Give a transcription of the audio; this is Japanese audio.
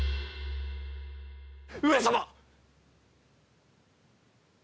上様！